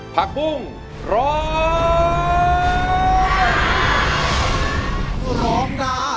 ภักษ์ปุ้งร้อง